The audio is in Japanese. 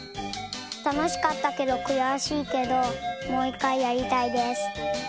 たのしかったけどくやしいけどもういっかいやりたいです。